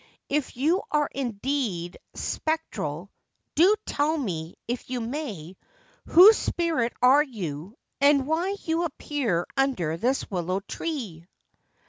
If you are indeed spectral, do tell me, if you may, whose spirit you are and why you appear under this willow tree